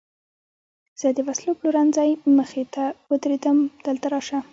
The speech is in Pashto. زه د وسلو پلورنځۍ مخې ته ودرېدم، دلته راشه.